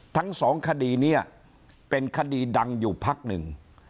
ทั้งสองคดีนี้เป็นคดีดังอยู่พักหนึ่ง